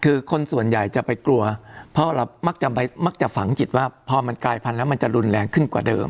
คือคนส่วนใหญ่จะไปกลัวเพราะเรามักจะฝังจิตว่าพอมันกลายพันธุ์แล้วมันจะรุนแรงขึ้นกว่าเดิม